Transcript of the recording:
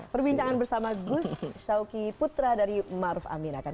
perbincangan bersama gus shawky putra dari maruf aminakan